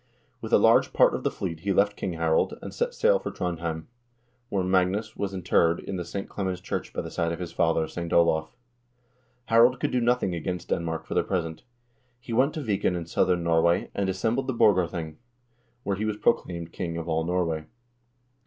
With a large part of the fleet he left King Harald, and set sail for Trondhjem, where Magnus was interred in the St. Clemens church by the side of his father, St. Olav. Harald could do nothing against Denmark for the present. He went to Viken in southern Norway, and assembled the Borgarthing, where he was proclaimed king of all Norway.